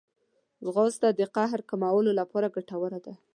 ځغاسته د قهر کمولو لپاره ګټوره ده